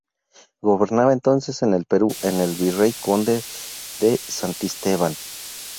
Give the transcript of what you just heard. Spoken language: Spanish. Gobernaba entonces en el Perú el Virrey Conde de Santisteban.